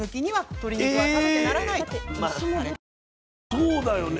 そうだよね。